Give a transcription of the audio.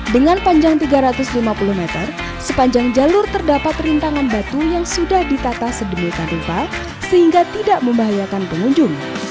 dengan panjang tiga ratus lima puluh meter sepanjang jalur terdapat rintangan batu yang sudah ditata sedemikian rupa sehingga tidak membahayakan pengunjung